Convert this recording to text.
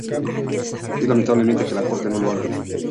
Es lamentable que la Corte no lo haga.